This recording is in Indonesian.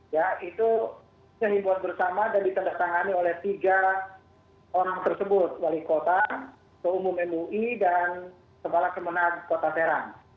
ya itu himbuan bersama dan ditandatangani oleh tiga orang tersebut wali kota keumum mui dan kepala kemenang kota serang